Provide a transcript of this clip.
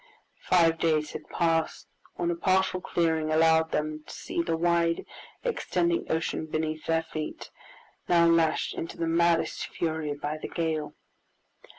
Five days had passed when a partial clearing allowed them to see the wide extending ocean beneath their feet, now lashed into the maddest fury by the gale.